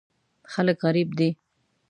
خلک غریب دي.